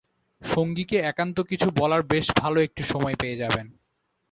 সঙ্গীকে একান্ত কিছু কথা বলার বেশ ভালো একটি সময় পেয়ে যাবেন।